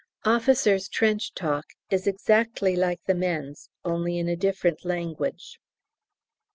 Officers' "trench talk" is exactly like the men's, only in a different language.